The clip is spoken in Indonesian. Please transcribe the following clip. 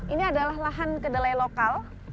ini adalah lahan kedelai lokal